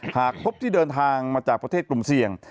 หากพบที่เดินทางมาจากประเทศกลุ่มเสี่ยง